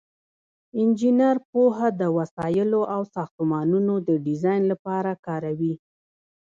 انجینر پوهه د وسایلو او ساختمانونو د ډیزاین لپاره کاروي.